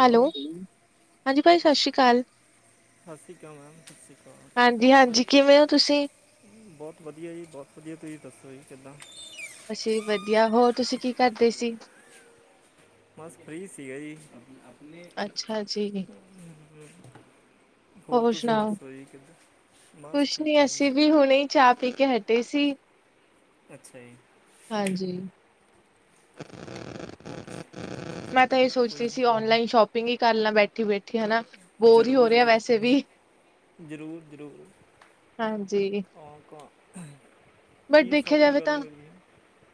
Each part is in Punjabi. ਹੈਲੋ, ਹਾਂਜੀ ਭਾਜੀ ਸਤਿ ਸ਼੍ਰੀ ਅਕਾਲ, ਸਤਿ ਸ਼੍ਰੀ ਅਕਾਲ ਮੈਮ ਸਤਿ ਸ਼੍ਰੀ ਅਕਾਲ। ਹਾਂਜੀ, ਹਾਂਜੀ, ਕਿਵੇਂ ਹੋ ਤੁਸੀਂ? ਬਹੁਤ ਵਧੀਆ ਜੀ ਬਹੁਤ ਵਧੀਆ, ਤੁਸੀਂ ਦੱਸੋ ਜੀ ਕਿੱਦਾਂ? ਅਸੀਂ ਵਧੀਆ, ਹੋਰ ਤੁਸੀਂ ਕੀ ਕਰਦੇ ਸੀ? ਬਸ ਫ੍ਰੀ ਸੀਗਾ ਜੀ ਆਪਣੇ, ਅੱਛਾ ਜੀ, ਹੋਰ ਤੁਸੀਂ ਦੱਸੋ ਜੀ? ਕਿੱਧਾਂ ਬਸ ਕੁਛ ਠੀਕ ਠਾਕ ਨੀ ਹੈ ਜੀ। ਅਸੀਂ ਵੀ ਹੁਣੇ ਹੀ ਚਾਹ ਪੀ ਕੇ ਹਟੇ ਸੀ। ਅੱਛਾ ਜੀ, ਹਾਂਜੀ, ਹੋਰ ਮੈਂ ਤਾਂ ਇਹ ਕੋਈ ਸੋਚਦੀ ਸੀ, ਨਹੀਂ ਓਨਲਾਈਨ ਸ਼ੋਪਿੰਗ ਹੀ ਕਰ ਲੈ ਬੈਠੀ ਬੈਠੀ ਹਨਾ। ਬੋਰ ਹੀ ਹੋ ਜ਼ਰੂਰ ਰਿਹਾ ਜੀ ਵੈਸੇ ਵੀ, ਜ਼ਰੂਰ, ਜ਼ਰੂਰ ਹਾਂਜੀ ਕੌ-ਕੌ। ਬਟ ਦੇਖਿਆ ਜਾਵੇ, ਤਾਂ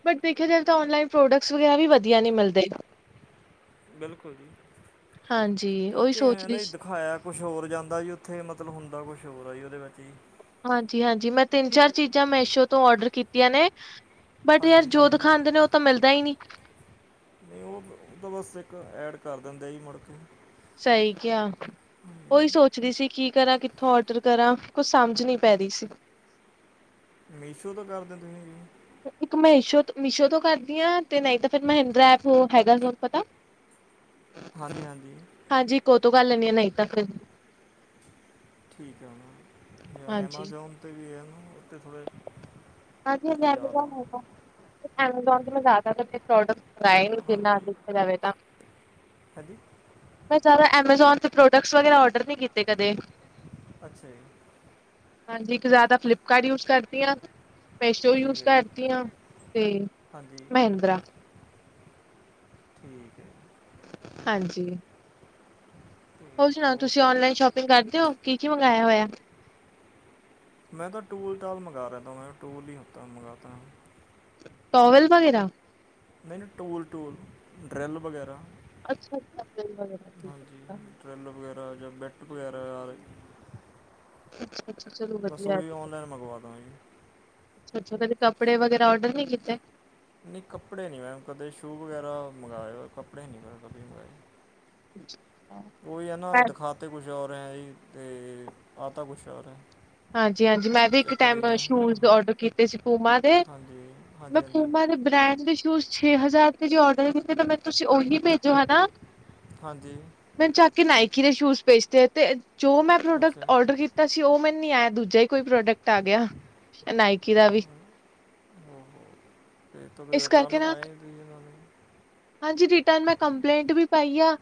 ਵਟ ਦੇਖਿਆ ਜਾਵੇ ਵੀ ਵਧੀਆ ਨੀ ਮਿਲਦੇ। ਬਿਲਕੁਲ ਜੀ ਹਾਂਜੀ ਉਹੀ ਕਿਉਂਕਿ ਸੋਚ ਰਹੀ ਇਹਨੇ ਸੀ। ਦਿਖਾਇਆ। ਕੁਛ ਹੋਰ ਜਾਂਦਾ ਜੀ, ਉੱਥੇ ਮਤਲਬ ਹੁੰਦਾ ਕੁਛ ਹੋਰ ਹੈ ਜੀ ਉਹਦੇ ਵਿੱਚ ਜੀ। ਹਾਂਜੀ, ਹਾਂਜੀ ਮੈਂ ਤਿੰਨ ਚਾਰ ਚੀਜ਼ਾਂ ਮੈਸ਼ੋ ਤੋਂ ਆਰਡਰ ਕੀਤੀਆਂ ਨੇ ਬਟ ਯਾਰ ਹਾਂਜੀ ਜੋ ਖਾਂਦੇ ਨੇ ਉਹ ਤਾਂ ਮਿਲਦਾ ਹੀ ਨਹੀਂ। ਨਹੀਂ ਉਹ-ਉਹ ਤਾਂ ਬਸ ਇੱਕ ਐਡ ਕਰ ਦਿੰਦਾ ਜੀ ਮੁੜਕੇ। ਸਹੀ ਕਿਹਾ। ਉਹੀ ਸੋਚਦੀ ਸੀ, ਕੀ ਕਰਾਂ ਕਿੱਥੋਂ ਔਡਰ ਕਰਾਂ ਕੁਛ ਸਮਝ ਨੀ ਪੈ ਰਹੀ ਸੀ। ਮੀਸ਼ੋ ਤੋਂ ਕਰਦੇ ਹੋ ਤੁਸੀਂ ਇੱਕ ਮੀਸ਼ੋ ਤੋਂ ਮੀਸ਼ੋ ਤੋਂ ਕਰਦੀ ਹਾਂ, ਤੇ ਨਹੀਂ ਤਾਂ ਫਿਰ ਮਿੰਤਰਾ ਐਪ ਹੈਗਾ, ਤੁਹਾਨੂੰ ਪਤਾ? ਹਾਂਜੀ, ਹਾਂਜੀ। ਹਾਂਜੀ, ਇੱਕ ਤੋਂ ਕਰ ਲੈਂਣੀ ਆ ਨਹੀਂ ਤਾਂ ਫਿਰ ਠੀਕ ਹੈ ਮੈ ਨਾ ਜਾਂ ਹਾਂਜੀ। ਹਾਂਜੀ ਐਮਾਜੋਨ 'ਤੇ ਵੀ ਹੈ ਨੂੰ ਉਥੇ ਥੋੜ੍ਹੇ ਹਾਂਜੀ, ਅਜ ਜ਼ਿਆਦਾ ਐਮਜ਼ੋਨ ਹੈਗਾ ਐਮਜ਼ੋਨ ਤੋਂ ਮੈਂ ਜ਼ਿਆਦਾਤਰ ਪ੍ਰਰੋਡਕਟ ਹਾਂਜੀ ਮੰਗਏ। ਰਵੇ ਤਾਂ, ਹਾਂਜੀ, ਮੈਂ ਜਿਆਦਾ ਐਮਾਜ਼ੋਨ ਤੇ ਪ੍ਰੋਡਕਟਸ ਵਗੈਰਾ ਔਡਰ ਨੀ ਕੀਤੇ ਕਦੇ, ਅੱਛਾ ਜੀ, ਹਾਂਜੀ, ਇੱਕ ਜ਼ਿਆਦਾ ਫਲਿੱਪਕਾਰਟ ਯੂਜ ਕਰਦੀ ਹਾਂ। ਮੈਸ਼ੋ ਠੀਕ ਯੂਜ ਹੈ ਜੀ ਕਰਦੀ ਹਾਂ ਅਤੇ ਹਾਂਜੀ ਮਿੰਤਰਾ। ਠੀਕ ਏ ਜੀ। ਹਾਂਜੀ। ਹੋਰ ਸੁਣਾਓ? ਤੁਸੀਂ ਔਨਲਾਈਨ ਸ਼ੋਪਿੰਗ ਕਰਦੇ ਹੋ ਕੀ ਕੀ ਮੰਗਾਇਆ ਹੋਇਆ। ਮੈਂ ਤਾਂ ਟੂਲ ਟਾਲ ਮੰਗਾ ਰਹਿੰਦਾ ਮੈਂ ਟੂਲ ਹੀ ਹਤਾ ਮੰਗਵਾ ਟੋਵਲ ਵਗੈਰਾ ਨਹੀਂ ਨਾ ਟੂਲ-ਟੂਲ ਡਰਲ ਵਗੈਰਾ। [unintelligible] ਡ੍ਰੇਲ ਵਗੈਰਾ ਜਾਂ ਬੈਟ ਵਗੈਰਾ ਅੱਛਾ ਅੱਛਾ ਚਲੋ ਬਸ ਵਧੀਆ ਹੈ। ਓਹੀ ਔਨਲਾਈਨ ਮੰਗਵਾਂਦਾ। ਅੱਛਾ ਕਦੀ ਕੱਪੜੇ ਵਗਰਾ ਔਰਡਰ ਨਹੀਂ ਕੀਤੇ? ਨਹੀਂ ਕੱਪੜੇ ਨਹੀਂ ਮੈਮ ਕਦੇ ਸ਼ੂ ਵਗੈਰਾ ਮੰਗਵਾਏ ਕੱਪੜੇ ਨਹੀਂ ਮੈਮ ਕਦੇ ਮੰਗਵਾਏ। ਉਹੀ ਹੈ ਨਾ ਦਿਖਾਤੇ ਕੁਛ ਔਰ ਹੈ, ਜੀ ਅਤੇ ਆਤਾ ਕੁਛ ਔਰ ਹੈ। ਹਾਂਜੀ, ਹਾਂਜੀ, ਮੈਂ ਵੀ ਇੱਕ ਟਾਈਮ ਸ਼ੂਜ ਹਾਂ ਡਰਤੇ ਸੀ ਪੂਮਾ ਦੇ ਹਾਂਜੀ ਹਾਂਜੀ ਮੈਂ ਹਾਂਜੀ ਪੂਮਾ ਦੇ ਬ੍ਰੈਂਡ ਦੇ ਸ਼ੂਜ ਛੇ ਹਜ਼ਾਰ ਤੇ ਦੇ ਔਡਰ ਕੀਤੇ, ਤਾਂ ਮੈਨੂੰ ਤੁਸੀਂ ਓਹੀਓ ਭੇਜੋ ਹਨਾ। ਹਾਂਜੀ। ਮੈ ਜਾ ਕੇ ਨਾਇਕੀ ਦੇ ਸ਼ੂਜ ਭੇਜਦੇ ਤੇ ਜੋ ਮੈਂ ਪ੍ਰੋਡਕਟ ਅੱਛਾ ਆਰਡਰ ਕੀਤਾ ਸੀ ਉਹ ਨੀ ਆਇਆ ਦੂਜਾ ਹੀ ਕੋਈ ਪ੍ਰੋਡਕਟ ਆ ਗਿਆ, ਨਾਇਕੀ ਦਾ ਵੀ ਹੁਣ ਫਿਰ ਇਸ ਕਰਕੇ ਰਿਟਰਨ ਨਾ ਪਏ, ਤੁਸੀ ਇਹਨਾਂ ਦੇ। ਹਾਂਜੀ, ਰਿਟਰਨ ਮੈਂ ਕੰਪਲੇਂਟ ਵੀ ਪਾਈ ਆ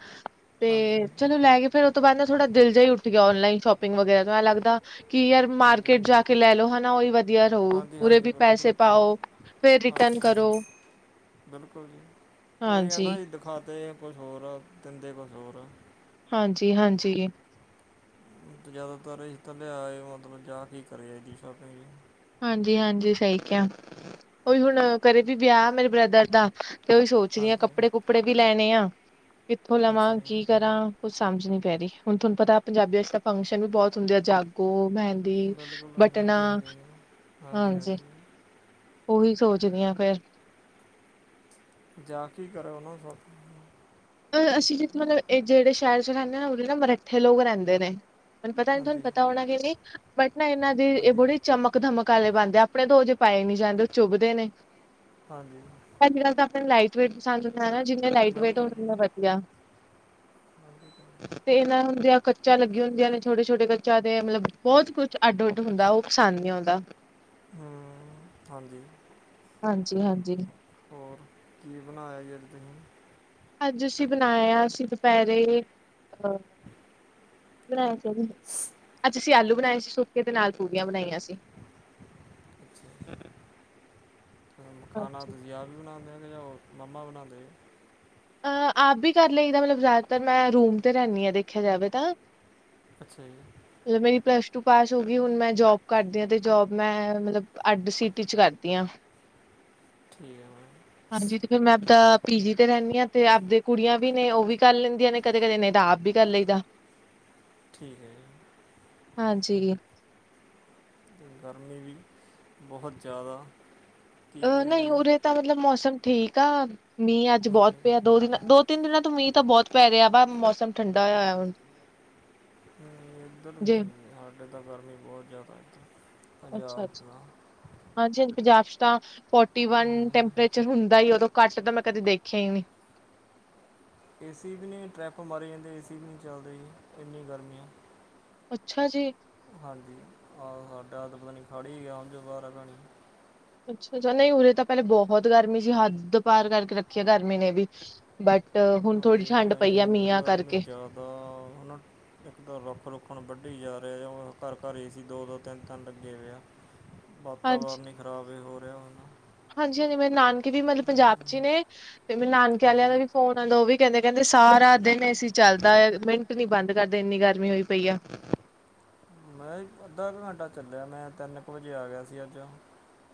ਤੇ ਹਾਂਜੀ ਚਲੋ ਲੈ ਕੇ ਫੇਰ ਉਹ ਤੋਂ ਬਾਅਦ ਨਾ ਥੋੜਾ ਦਿਲ ਜਿਹਾ ਹੀ ਉੱਠ ਗਿਆ, ਔਨਲਾਈਨ ਸ਼ੋਪਿੰਗ ਵਗੈਰਾ ਤੋਂ ਏ ਲੱਗਦਾ ਕਿ ਯਾਰ ਹਾਂਜੀ ਮਾਰਕੀਟ ਜਾ ਕੇ ਕੇ ਲੈ ਲੋ ਹਨਾ, ਉਹੀ ਵਧੀਆ ਰਹੋ ਹਾਂਜੀ ਉਰੇ ਹਾਂਜੀ ਵੀ ਬਿਲਕੁਲ ਪੈਸੇ ਇਹ ਤਾਂ ਹੈ ਪਾਓ ਫਿਰ ਰਿਟਰਨ ਹਾਂਜੀ ਕਰੋ ਬਿਲਕੁਲ ਜੀ ਉਹੀ ਹੈ, ਹਾਂਜੀ ਨਾ ਜੀ ਦਿਖਾਂਦੇ ਕੁਛ ਹੋਰ ਆ ਦਿੰਦੇ ਕੁਛ ਹੋਰ ਆ। ਹਾਂਜੀ, ਹਾਂਜੀ। ਤੇ ਜਿਆਦਾਤਰ ਇਕ ਤਾਂ ਲਿਆਇਆ, ਮਤਲਬ ਜਾ ਕੇ ਕਰੇ ਇਹਦੀ ਸ਼ੋਪਿੰਗ ਹਾਂਜੀ, ਹਾਂਜੀ ਸਹੀ ਕਿਹਾ ਉਹੀ ਹੁਣ ਕਰੇ ਵੀ ਵਿਆਹ ਮੇਰੇ ਬ੍ਰਦਰ ਦਾ ਤੇ ਉਹੀ ਸੋਚ ਰਹੀ ਆ ਹਾਂਜੀ ਕੱਪੜੇ ਕੁਪੜੇ ਵੀ ਲੈਣੇ ਆ, ਕਿੱਥੋਂ ਅੱਛਾ ਲਵਾਂ ਕੀ ਜੀ ਕਰਾਂ। ਕੁੱਛ ਸਮਝ ਨੀ ਪੈ ਰਹੀ ਹੁਣ ਤੁਹਾਨੂੰ, ਪਤਾ ਪੰਜਾਬੀ ਵਿੱਚ ਤਾਂ ਫੰਕਸ਼ਨ ਵੀ ਬਹੁਤ ਹੁੰਦੇ ਆ ਜਾਗੋ, ਮਹਿੰਦੀ ਦੀ ਬਿਲਕੁਲ ਬਟਨਾ ਮਹਿੰਦੀ ਹਾਂਜੀ ਹਾਂਜੀ ਹਾਂਜੀ, ਉਹੀ ਸੋਚਦੀ ਹਾਂ ਫਿਰ। ਜਾ ਕੀ ਕਰੋ ਉਹਨਾਂ ਸੋ ਅਸੀਂ ਜਿੱਥੇ ਮਤਲਬ ਇਹ ਜਿਹੜੇ ਸ਼ਹਿਰ ਚ ਰਹਿੰਦੇ ਨਾ ਉਹਦੇ ਨਾ ਮਰੱਠੇ ਲੋਕ ਰਹਿੰਦੇ ਨੇ। ਮੈਨੂੰ ਪਤਾ ਨਹੀ ਤੁਹਾਨੂੰ ਹਾਂਜੀ ਪਤਾ ਹੋਣਾ ਕਿ, ਨੀ ਬਟ ਨਾ ਇਹਨਾਂ ਦੀ ਇਹ ਹਾਂਜੀ ਬੜੀ ਚਮਕ ਧਮਕ ਵਾਲੇ ਬਣਦੇ ਆਪਣੇ ਦੋ ਜੇ ਪਾਏ ਨੀ ਜਾਂਦੇ ਉਹ ਚੁਭਦੇ ਨੇ। ਹਾਂਜੀ। ਪਹਿਲੀ ਗੱਲ ਤਾਂ ਆਪਣੇ ਲਾਈਟ ਵੇਟ ਪਸੰਦ ਕਰਾਨਾ ਜਿੰਨੇ ਲਾਈਟ ਵੇਟ ਬਿਲਕੁਲ ਜੀ ਉਨੇ ਤੇ ਇਹਨਾਂ ਹੁੰਦਿਆਂ ਕੱਚਾ ਲੱਗੀ ਹੁੰਦੀਆਂ, ਨੇ ਛੋਟੇ-ਛੋਟੇ ਕੱਚਾ ਤੇ ਮਤਲਬ ਬਹੁਤ ਕੁੱਛ ਅੱਡ ਉੱਡ ਹੁੰਦਾ ਉਹ ਪਸੰਦ ਨਹੀਂ ਆਦਾ। ਹੂੰ, ਹਾਂਜੀ। ਹਾਂਜੀ, ਹਾਂਜੀ। ਹੋਰ ਕੀ ਬਣਾਇਆ ਅੱਜ ਤੁਸੀਂ? ਅੱਜ ਅਸੀਂ ਬਣਾਇਆ, ਅਸੀਂ ਦੁਪਹਿਰੇ ਅਹ ਬਣਾਦੇ। ਅੱਜ ਅਸੀਂ ਆਲੂ ਬਣਾਏ ਸੀ ਸੁੱਕੇ ਤੇ ਨਾਲ ਪੂੜੀਆਂ ਬਣਾਈਆਂ ਸੀ। ਅੱਛਾ ਖਾਣਾ ਅੱਛਾ ਤੁਸੀ ਆਪ ਈ ਬਣਾਂਦੇ ਓ ਕਿ ਜਾਂ ਉਹ ਮੰਮਾ ਬਣਾਂਦੇ ਜੇ। ਅਹ ਆਪ ਵੀ ਕਰ ਲਈਦਾ ਮਤਲਬ ਜ਼ਿਆਦਾਤਰ ਮੈਂ ਰੂਮ ਤੇ ਰੈਂਨੀ ਆਂ ਦੇਖਿਆ ਜਾਵੇ ਤਾਂ। ਅੱਛਾ ਜੀ। ਮਤਲਬ ਮੇਰੀ ਪਲੱਸ ਟੂ ਪਾਸ ਹੋ ਗੀ, ਹੁਣ ਮੈਂ ਜੌਬ ਕਰਦੀ ਆਂ ਤੇ ਜੋਬ ਮੈਂ ਮਤਲਬ ਅੱਡ ਸੀਟੀ ਚ ਕਰਦੀ ਦੀ ਆਂ। ਠੀਕ ਐ‌ ਮੈਮ। ਹਾਂਜੀ, ਤੇ ਫੇਰ, ਮੈਂ ਆਪਦਾ ਪੀ ਜੀ ਤੇ ਰੈਂਨੀ ਆਂ। ਤੇ ਆਪਦੇ ਕੁੜੀਆਂ ਵੀ ਨੇ, ਉਹ ਵੀ ਕਰ ਲੈਂਦੀਆਂ ਨੇ, ਕਦੇ ਕਦੇ ਨਈ ਤਾਂ ਆਪ ਵੀ ਕਰ ਲਈਦਾ। ਠੀਕ ਐ ਜੀ। ਹਾਂਜੀ। ਤੇ ਗਰਮੀ ਵੀ, ਬਹੁਤ ਜ਼ਿਆਦਾ। ਕੀ ਅਹ ਕਹਿ ਨਹੀਂ ਰਹੇ ਉਰੇ ਤਾਂ ਮਤਲਬ ਮੌਸਮ ਠੀਕ ਆ। ਮੀਂਹ ਅੱਜ ਹਾਂਜੀ ਬਹੁਤ ਪਿਆ, ਦੋ ਦਿਨ ਦੋ ਤਿੰਨ ਦਿਨਾਂ ਤੋਂ ਮੀਂਹ ਤਾਂ ਬਹੁਤ ਪੈ ਰਿਹਾ, ਬਾ ਮੌਸਮ ਠੰਡਾ ਹੋਇਆ ਹੋਇਆ ਹੁਣ। ਨਈ ਇੱਧਰ ਨੀ, ਜੇ ਹਾਡੇ ਤਾਂ ਗਰਮੀ ਬਹੁਤ ਜ਼ਿਆਦਾ ਇੱਧਰ। ਅੱਛਾ ਪੰਜਾਬ ਅੱਛਾ, 'ਚ ਤਾਂ ਹਾਂਜੀ ਹਾਂਜੀ ਪੰਜਾਬ ਚ ਤਾਂ ਫੌਟੀ ਵਨ ਟੈਂਪਰੇਚਰ ਹੁੰਦਾ ਈ, ਉਦੋਂ ਘੱਟ ਤਾਂ ਮੈਂ ਕਦੇ ਦੇਖਿਆ ਹੀ ਨੀ। ਏ ਸੀ ਵੀ ਨੀ, ਟਰਿਪ ਮਾਰੀ ਜਾਂਦੇ, ਏ ਸੀ ਵੀ ਨੀ ਚੱਲਦੇ ਜੀ। ਇੰਨੀ ਗਰਮੀ ਆ। ਅੱਛਾ ਜੀ। ਹਾਂਜੀ, ਆਹ ਹਾਡਾ ਤਾ ਪਤਾ ਨੀ ਖੜ ਈ ਗਿਆ। ਸਮਝੋ ਬਾਰ ਆ ਕਾਣੀ। ਅੱਛਾ ਅੱਛਾ। ਨਹੀਂ ਉਰੇ ਤਾਂ ਪਹਿਲੇ ਬਹੁਤ ਗਰਮੀ ਸੀ। ਹੱਦ ਪਾਰ ਕਰਕੇ ਰੱਖੀ ਆ ਗਰਮੀ ਨੇ ਵੀ। ਬਟ ਹੁਣ ਥੋੜ੍ਹੀ ਠੰਡ ਪਈ ਆ ਮੀਆਂ ਕਰਕੇ। ਆ ਹੁਨ ਓ ਇੱਕ ਤਾਂ ਰੁੱਖ ਰੁੱਖਣ ਵੱਢੀ ਜਾ ਰਏ ਆ, ਘਰ ਘਰ ਏ ਸੀ ਦੋ ਦੋ ਤਿੰਨ ਤਿੰਨ ਲੱਗੇ ਵੇ ਆ। ਵਾਤਾਵਰਨ ਈ ਖ਼ਰਾਬ ਏ ਹੋ ਰਿਹਾ ਹੁਣ। ਹਾਂਜੀ ਹਾਂਜੀ ਮੇਰੇ ਨਾਨਕੇ ਵੀ ਮਤਲਬ ਪੰਜਾਬ ਚ ਈ ਹਮ, ਨੇ ਤੇ ਮੇਰੇ ਨਾਨਕੇ ਆਲਿਆਂ ਹਾਂਜੀ ਦਾ ਵੀ ਫੋਨ ਆਂਦਾ ਉਹ ਵੀ ਕਹਿੰਦੇ ਕਹਿੰਦੇ, ਸਾਰਾ ਦਿਨ ਏ ਸੀ ਚੱਲਦਾ, ਮਿੰਟ ਨੀ ਬੰਦ ਕਰਦੇ। ਇੰਨੀ ਗਰਮੀ ਹੋਈ ਪਈ ਆ। ਮੈਂ ਏ ਅੱਧਾ ਕ ਘੰਟਾ ਚੱਲਿਆ, ਮੈਂ ਤਿੰਨ ਕ ਵਜੇ ਆ ਗਿਆ ਸੀ ਅੱਜ।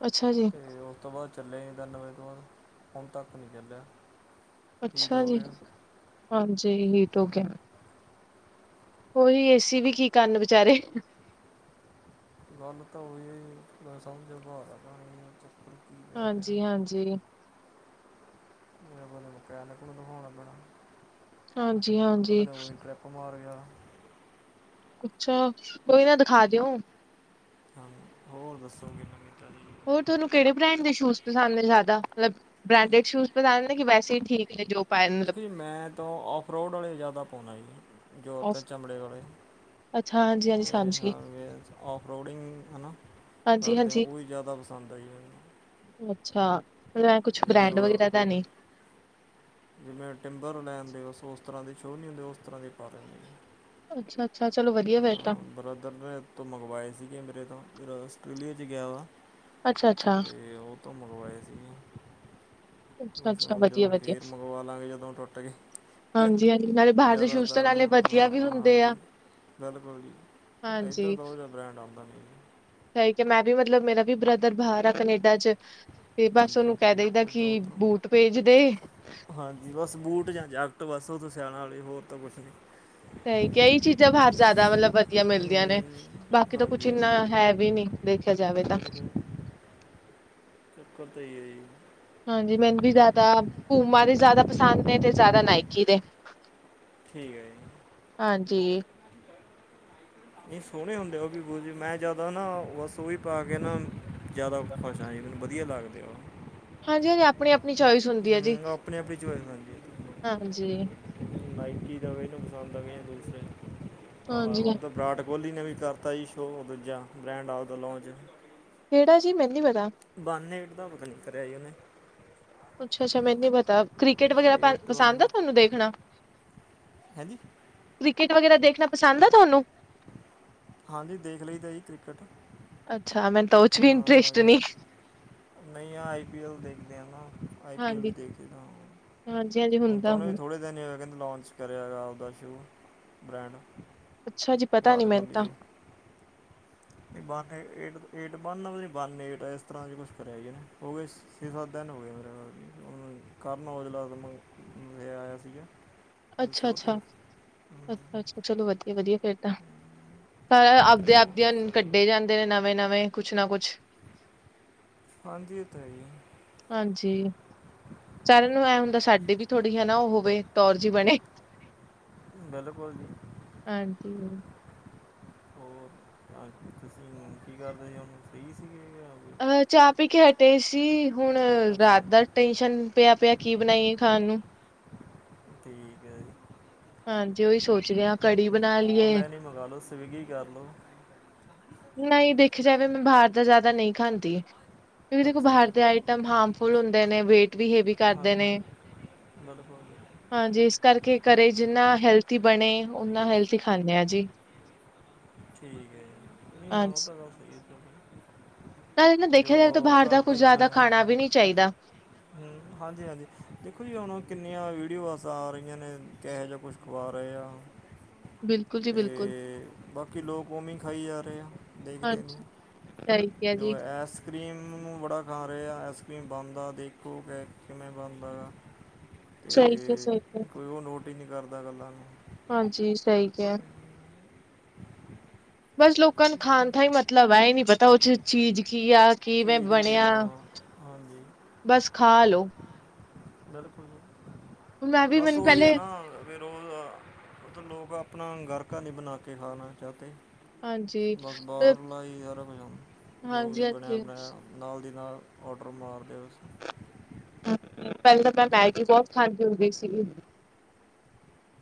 ਅੱਛਾ ਜੀ। ਤੇ ਉਸ ਤੋਂ ਬਾਅਦ ਚੱਲਿਆ ਈ ਨੀ ਤਿੰਨ ਵਜੇ ਤੋਂ ਬਾਅਦ, ਹੁਣ ਤੱਕ ਨੀ ਚੱਲਿਆ। ਹੀਟ ਅੱਛਾ ਹੋ ਜੀ, ਗਿਆ ਹਾਂਜੀ ਹੀਟ ਹੋ ਗਿਆ। ਉਹੀ ਏ ਸੀ ਵੀ ਕੀ ਕਰਨ ਵਿਚਾਰੇ। ਗੱਲ ਤਾਂ ਉਹੀ ਹੀ ਜੀ, ਮੈਂ ਸਮਝੋ ਬਾਰ ਆ [unintelligible] ਪੈ ਰਿਹਾ ਹਾਂਜੀ ਹਾਂਜੀ। ਏਹ ਮਤਲਬ ਮਕੈਨਿਕ ਕੋਲੋਂ ਦਖੌਣਾ ਪੈਣਾ, ਪਤਾ ਹਾਂਜੀ-ਹਾਂਜੀ ਨੀ ਊਈਂ ਟਰਿਪ ਮਾਰ ਗਿਆ। ਅੱਛਾ, ਕੋਈ ਨਾ ਦਿਖਾ ਦਿਓ। ਹਾਂ, ਹੋਰ ਦੱਸੋ ਕੋਈ ਨਮੀ ਤਾਜੀ਼। ਹੋਰ ਥੋਨੂੰ ਕਿਹੜੇ ਬ੍ਰੈਂਡ ਦੇ ਸ਼ੂਜ ਪਸੰਦ ਐ ਜਾ਼ਦਾ, ਮਤਲਬ ਬ੍ਰਾਂਡ ਸ਼ੂਟ ਪਸੰਦ ਨੇ, ਕਿ ਵੈਸੇ ਹੀ ਠੀਕ ਹੈ ਜੋ ਪਾਏ ਮਤਲਬ ਦੇਖੋ ਜੀ, ਮੈਂ ਤਾਂ ਆਔਫਰੋਡ ਵਾਲੇ ਜ਼ਿਆਦਾ ਪਾਦਾ ਜੀ ਜੋਤ ਅਸ ਚਮੜੇ ਵਾਲੇ ਅੱਛਾ ਹਾਂਜੀ, ਹਾਂਜੀ ਸਮਝ ਗਈ ਮੇਰੇ ਔਫ ਰੋਡਿੰਗ ਹੈਨਾ, ਹਾਂਜੀ ਕਰਦੇ ਆ, ਹਾਂਜੀ ਉਹ ਵੀ ਜ਼ਿਆਦਾ ਪਸੰਦ ਆਈ ਐ ਔਨੂੰ, ਅੱਛਾ ਮਤਲਬ ਏਹ ਕੁਛ ਜਿਵੇਂ ਬ੍ਰੈਂਡ ਉਹ ਵਗੈਰਾ ਦਾ ਨੀ ਜਿਵੇਂ ਟਿੰਬਰ ਲੈਣ ਦੇ ਉਸ ਉਸ ਤਰ੍ਹਾਂ ਦੇ ਸ਼ੋਅ ਨੀ ਹੁੰਦੇ, ਉਸ ਤਰ੍ਹਾਂ ਦੇ ਪਾ ਲੈਂਦੇ ਜੇ। ਅੱਛਾ ਅੱਛਾ, ਚਲੋ ਵਧੀਆ ਫੇਰ ਤਾਂ। ਬ੍ਰਦਰ ਦੇ ਹੱਥੋਂ ਮੰਗਵਾਏ ਸੀਗੇ ਮੇਰੇ ਤੋਂ, ਮੇਰਾ ਆਸਟ੍ਰੇਲੀਆ 'ਚ ਗਿਆ ਵਾ। ਅੱਛਾ ਅੱਛਾ। ਤੇ ਉਹ ਤੋਂ ਮੰਗਵਾਏ ਸੀਗੇ। ਅੱਛਾ ਹੁਣ ਅੱਛਾ ਸ ਜਦੋਂ ਵਧੀਆ ਵਧੀਆ ਫੇਰ ਮੰਗਵਾਲਾਂਗੇ, ਜਦੋਂ ਟੁੱਟ ਗੇ। ਹਾਂਜੀ ਹਾਂਜੀ ਨਾਲੇ ਬਾਹਰ ਦੇ ਸ਼ੂਜ਼ ਤਾਂ ਜ਼ਿਆਦਾਤਰ ਨਾਲੇ ਵਧੀਆ ਵੀ ਹੁੰਦੇ ਹਾਂ-ਹਾਂਜੀ। ਆ ਬਿਲਕੁਲ ਜੀ, ਇੱਧਰ ਤਾਂ ਓਹੋ ਜਿਹਾ ਬ੍ਰੈਂਡ ਆਉਂਦਾ ਨੀ ਜੀ। ਏਹੀ ਕੇ, ਮੈਂ ਵੀ ਮਤਲਬ ਮੇਰਾ ਵੀ ਬ੍ਰਦਰ ਬਾਹਰ ਆ ਕਨੇਡਾ ਚ। ਤੇ ਬਸ ਹਾਂਜੀ ਉਹਨੂੰ ਕਹਿ ਦਈਦਾ ਕਿ ਉਹ ਤਾਂ ਕੀ ਉੱਧਰੋਂ ਬੂਟ ਭੇਜ ਦੇ। ਹਾਂਜੀ, ਬਸ ਬੂਟ ਜਾਂ ਜੈਕਟ ਬਸ ਉਹ ਤਾਂ ਸਿਆਣਾ ਵਾਲੇ ਹੋਰ ਤਾਂ ਕੁਛ ਨਹੀਂ। ਸਹੀ ਕਈ ਚੀਜ਼ਾਂ ਬਾਹਰ ਜ਼ਿਆਦਾ ਮਤਲਬ ਵਧੀਆ ਮਿਲਦੀਆਂ ਹੂੰ ਨੇ। ਬਾਕੀ ਤਾਂ ਕੁਛ ਹਾਂਜੀ ਇੰਨਾ ਹੈ, ਵੀ ਨੀ ਦੇਖਿਆ ਜਾਵੇ ਤਾਂ। ਬਿਲਕੁਲ ਚੱਕਰ ਤੇ ਇਹੀ ਆ ਜੀ, ਹਾਂਜੀ, ਮੈਨੂੰ ਵੀ ਜ਼ਿਆਦਾ ਘੂਮਾ ਦੇ ਜ਼ਿਆਦਾ ਪਸੰਦ ਨੇ ਤੇ ਜ਼ਿਆਦਾ ਨਾਇਕੀ ਦੇ। ਠੀਕ ਹੈ ਜੀ, ਹਾਂਜੀ। ਨਹੀਂ ਸੋਹਣੇ ਹੁੰਦੇ, ਉਹ ਵੀ ਬਹੁਤ ਜੀ ਮੈਂ ਜ਼ਿਆਦਾ ਨਾ ਬਸ ਉਹੀ ਪਾ ਕੇ ਨਾ। ਜ਼ਿਆਦਾ ਖੁਸ਼ ਹਾਂ ਜੀ ਮੈਨੂੰ ਵਧੀਆ ਲੱਗਦੇ ਉਹ ਹਾਂਜੀ, ਹਾਂਜੀ ਆਪਣੀ ਆਪਣੀ ਚੋਇਸ ਹੁੰਦੀ ਹੈ ਜੀ ਹੂੰ ਆਪਣੀ ਆਪਣੀ ਹਾਂਜੀ। ਮਾਈਕੀ ਦਾ ਵੀ ਇਹਨੂੰ ਪਸੰਦ ਆਵੇ, ਦੂਸਰੇ ਆਹ ਹੁਣ ਤਾਂ ਵਿਰਾਟ ਕੋਹਲੀ ਨੇ ਵੀ ਕਰਤਾ ਜੀ ਸ਼ੋਅ ਦੂਜਾ ਬ੍ਰੈਂਡ ਆਫ ਦਾ ਲੋਂਚ। ਕਿਹੜਾ ਜੀ ਮੈਨੂੰ ਪਤਾ। ਬਾਨੇ ਐਟ ਦਾ ਪਤਾ ਨੀ ਕਰਿਆ ਸੀ, ਉਹਨੇ ਅੱਛਾ-ਅੱਛਾ ਮੈਨੂੰ ਪਤਾ, ਕ੍ਰਿਕਟ ਵਗੈਰਾ ਪਸੰਦ ਆ ਤੁਹਾਨੂੰ ਦੇਖਣਾ? ਹੈਜੀ, ਕ੍ਰਿਕਟ ਵਗੈਰਾ ਦੇਖਣਾ ਪਸੰਦ ਆ ਤੁਹਾਨੂੰ? ਹਾਂਜੀ, ਦੇਖ ਲਈ ਤਾਂ ਜੀ ਕ੍ਰਿਕਟ ਅੱਛਾ ਮੈਂ, ਹਾਂ, ਨਹੀਂ ਹਾਂ ਆਈ ਪੀ ਐਲ ਦੇਖਦੇ, ਹਾਂ ਨਾ ਆਈ ਪੀ ਐਲ ਵੀ ਦੇਖਦੇ। ਜੀ ਹੁਣ ਤਾਂ ਹੁੰਦਾ। ਉਹਨੇ ਵੀ ਥੋੜ੍ਹੇ ਦਿਨ ਹੀ ਹੋ ਕਹਿੰਦੇ ਲੋਂਚ ਕਰਿਆ ਐ ਗਾ, ਆਪਦਾ ਸ਼ੂ ਬ੍ਰੈਂਡ ਅੱਛਾ ਜੀ ਪਤਾ ਨੀ ਮੈਨੂੰ ਤਾਂ, ਨਹੀਂ ਵੰਨ ਏ ਏਟ-ਏਟ ਵਨ ਨਹੀਂ ਵੰਨ ਏਟ ਇਸ ਤਰ੍ਹਾਂ ਜ ਕੁਛ ਕਰਿਆ ਜੀ ਨੇ ਹੋ ਗਏ। ਛੇ ਸੱਤ ਦਿਨ ਹੋ ਗਿਆ, ਮੇਰੇ ਨਾਲ ਕਰਨ ਔਜਲਾ, ਇਹ ਆਇਆ ਸੀਗਾ। ਉਹ ਅੱਛਾ, ਸ਼ੋਅ ਤੇ ਅੱਛਾ, ਅੱਛਾ, ਅੱਛਾ ਚਲੋ ਵਧੀਆ ਵਧੀਆ ਫੇਰ ਤਾਂ। ਹੋਰ ਸਾਰ ਆਪਦੇ ਆਪਦੀਿਆਂ ਦੱਸੋ ਜੀ ਕੱਢੇ ਜਾਂਦੇ ਨੇ ਨਵੇਂ-ਨਵੇਂ ਕੁਛ ਨਾ ਕੁਛ ਹਾਂਜੀ ਤਾਂ ਜੀ, ਹਾਂਜੀ, ਸਾਰਿਆਂ ਨੂੰ ਐ ਹੁੰਦਾ ਸਾਡੀ ਵੀ ਥੋੜ੍ਹੀ ਹੈ, ਨਾ ਉਹ ਹੋਵੇ ਕੌਰ ਜੀ ਬਣੇ। ਬਿਲਕੁਲ ਜੀ, ਹਾਂਜੀ। ਹੋਰ ਤਾਂ ਤੁਸੀਂ ਕੀ ਕਰਦੇ ਉਹਨ ਸਹੀ ਸੀਗੇ। ਅਹ ਚਾਹ ਪੀ ਕੇ ਹਟੇ ਸੀ। ਹੁਣ ਅੱਛਾ ਜੀ ਰਾਤ ਦਾ ਟੈਨਸ਼ਨ ਪਿਆ, ਪਿਆ ਕੀ ਬਣਾਈਏ ਖਾਣ ਨੂੰ ਠੀਕ ਹੈ ਜੀ ਹਾਂਜੀ, ਉਹੀ ਸੋਚਦੇ ਹਾਂ ਕੜੀ ਬਣਾ ਲਈਏ। ਆਨਲਾਈਨ ਹੀ ਮੰਗਾ ਲਓ ਸਵਿਗੀ ਕਰ ਲਓ ਨਹੀਂ ਦੇਖਿਆ ਜਾਵੇ ਮੈਂ ਬਾਹਰ ਦਾ ਜ਼ਿਆਦਾ ਨਹੀਂ ਖਾਂਦੀ ਕਿਉਕਿ ਦੇਖੋ ਅੱਛਾ ਬਾਹਰ ਦੇ ਜੀ ਆਈਟਮ ਹਾਰਮਫੁਲ ਹੁੰਦੇ ਨੇ ਵੇਟ ਵੀ ਹੈਵੀ ਕਰਦੇ ਹਾਂਜੀ ਨੇ [unintelligible] ਹਾਂਜੀ, ਇਸ ਕਰਕੇ ਘਰੇ ਜਿੰਨਾ ਹੈਲਥੀ ਬਣੇ ਓਨਾ ਹੈਲਥ ਖਾਂਨੇ‌ ਆ ਜੀ। ਠੀਕ ਹੈ ਜੀ ਹਾਂ ਹਾਂਜੀ। ਉਹ ਤਾਂ ਗੱਲ। ਨਾਲ ਇਹ ਨਾ ਜੋ ਦੇਖਿਆ ਜਾਵੇ, ਤਾਂ ਬਾਹਰ ਦਾ ਘਰ ਕੁੱਝ ਦੀ ਜ਼ਿਆਦਾ ਬਣਾਇਆ ਖਾਣਾ ਵੀ ਨੀ ਚਾਹੀਦਾ। ਹਾਂਜੀ, ਹਾਂਜੀ ਦੇਖੋ ਜੀ, ਹੁਣ ਕਿੰਨੀਆਂ ਵੀਡੀਓਜ਼ ਆ ਰਹੀਆਂ ਨੇ ਕਿਹੋ ਜਿਹਾ ਕੁਛ ਕੁਆਰ ਆ। ਬਿਲਕੁਲ ਜੀ ਬਿਲਕੁਲ। ਤੇ ਬਾਕੀ ਲੋਕ ਔ ਵੀਂ ਖਾਈ ਜਾ ਰਹੇ, ਆ ਦੇਖਦੇ ਹਾਂਜੀ ਸਹੀ ਕਿਹਾ ਨਹੀਂ ਜੋ ਜੀ, ਐਸ ਆਈਸ ਕਰ੍ਰੀਮ ਨੂੰ ਬੜਾ ਖਾ ਰਿਹਾ ਆਈਸਕ੍ਰੀਮ ਬਣਦਾ ਦੇਖੋ, ਕਿ ਕਿਵੇਂ ਬਣਦਾ ਗਾ। ਸਹੀ ਕਿਹਾ ਤੇ ਸਹੀ ਕਿਹਾ, ਕੋਈ ਉਹ ਨੋਟ ਹੀ ਨਹੀਂ ਕਰਦਾ ਗੱਲਾਂ ਨੂੰ ਹਾਂਜੀ ਸਹੀ ਕਿਹਾ। ਬਸ ਲੋਕਾਂ ਨੂੰ ਖਾਣ ਦਾ ਹੀ ਮਤਲਬ ਹੈ ਇਹ ਨੀ ਪਤਾ ਉਹ ਚ ਚੀਜ਼ ਕੀ ਆ ਕਿਵੇਂ ਚੀਜ਼ ਕੀ ਬਣਿਆ। ਆ ਹਾਂ ਹਾਂਜੀ ਬਸ ਖਾ ਲਓ ਬਿਲਕੁਲ ਜੀ, ਮੈਂ ਵੀ ਬਸ ਮੈਨੂੰ ਉਹੀ ਹੈ ਪਹਿਲੇ ਨਾ ਫਿਰ ਉਹ ਉ ਤਾਂ ਲੋਕ ਆਪਣਾ ਘਰ ਕਾ ਨਹੀਂ ਬਣਾ ਕੇ ਖਾਣਾ ਚਾਹੁੰਦੇ ਹਾਂਜੀ ਬਸ ਅ ਬਾਹਰਲਾ ਹੀ ਸਾਰਾ ਕੁਝ ਆ, ਜੋ ਹਾਂਜੀ ਵੀ ਬਣਇਆ ਹਾਂਜੀ। ਬਣਾਇਆ ਨਾਲ ਦੀ ਨਾਲ ਔਡਰ ਮਾਰ ਦਿਓ ਪਹਿਲਾਂ ਤਾਂ ਮੈਂ ਮੈਗੀ ਬਹੁਤ ਖਾਂਦੀ ਹੁੰਦੀ ਸੀਗੀ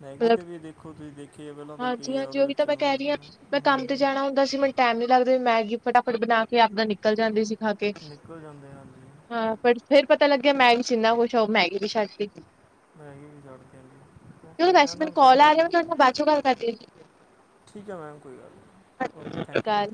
ਮੈਗੀ ਮਤਲਬ ਤੇ ਵੀ ਦੇਖੋ ਤੁਸੀਂ ਦੇਖੀਏ ਪਹਿਲਾਂ ਤਾਂ ਕੀ ਹਾਂਜੀ ਆ ਹਾਂਜੀ ਉਹਦੇ ਉਹੀ ਤਾਂ ਵਿੱਚ ਮੈਂ ਕਹਿ ਰਹੀ ਹਜੀ ਹਾਂ। ਮੈਂ ਹਮ ਕੰਮ ਤੇ ਜਾਣਾ ਹੁੰਦਾ ਸੀ ਮੈਨੂੰ ਟਾਈਮ ਨੀ ਲੱਗਦੇ ਮੈਗੀ ਫਟਾਫਟ ਬਣਾ ਕੇ ਆਪਣਾ ਨਿਕਲ ਜਾਂਦੇ ਸੀ ਖਾ ਕੇ ਨਿਕਲ ਜਾਂਦੇ ਹਨ ਜੀ ਹਾਂ, ਪਰ ਫੇਰ ਪਤਾ ਲੱਗਿਆ ਮੈਗੀ ਚ ਇੰਨਾ ਕੁਛ ਆ ਉਹ ਮੈਗੀ ਵੀ ਛੱਡਦੀ ਮੈਂਗੀ ਵੀ ਛੱਡ ਦਿੱਤੀ ਕਿ ਬੈਸੀ ਕੌਲ ਆ ਰਿਹਾ ਮੈਂ ਤੁਹਾਨੂੰ ਬਾਅਦ ਚ ਗਲ ਕਰਦੀ ਠੀਕ ਹੈ ਮੈਮ ਕੋਈ ਗੱਲ ਨਹੀਂ, ਸਤਿ ਓਕੇ ਸ਼੍ਰੀ ਥੈਂਕ ਯੂ। ਅਕਾਲ।